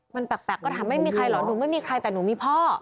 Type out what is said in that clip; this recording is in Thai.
มันแปลกก็ถามไม่มีใครเหรอหนูไม่มีใครแต่หนูมีพ่อ